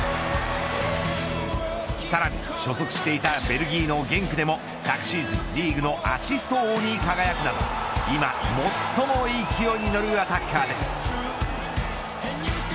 さらに所属していたベルギーのゲンクでも昨シーズン、リーグのアシスト王に輝くなど今、最も勢いにのるアタッカーです。